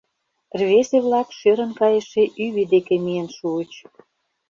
Рвезе-влак шӧрын кайыше ӱвӧ деке миен шуыч.